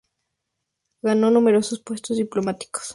Ganó numerosos puestos diplomáticos religiosos.